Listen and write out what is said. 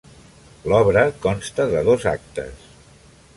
L'obra consta de dos actes.